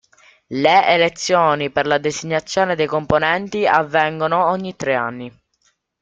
Le elezioni per la designazione dei componenti avvengono ogni tre anni.